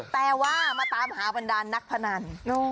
แต่ว่ามาตามหาบรรดานนักพนัน